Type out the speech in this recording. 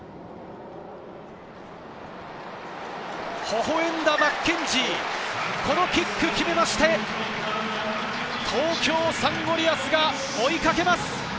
ほほえんだマッケンジー、このキック決めまして、東京サンゴリアスが追いかけます。